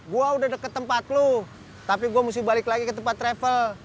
gue udah dekat tempat lo tapi gue mesti balik lagi ke tempat travel